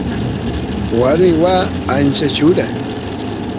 warmi waa ancha chura